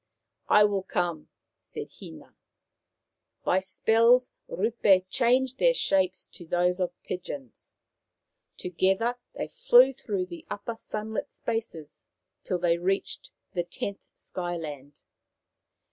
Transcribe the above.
'" I will come," said Hina. By spells Rup6 changed their shapes to those of pigeons. To gether they flew through the upper sunlit spaces till they reached the tenth Sky land.